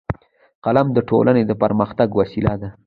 قلم د ټولنې د پرمختګ وسیله ده